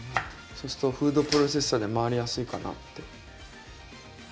そうするとフードプロセッサーで回りやすいかなって。